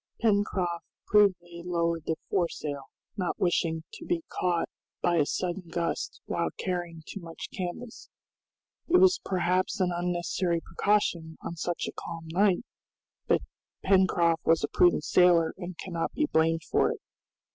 Pencroft prudently lowered the foresail, not wishing to be caught by a sudden gust while carrying too much canvas; it was perhaps an unnecessary precaution on such a calm night, but Pencroft was a prudent sailor and cannot be blamed for it.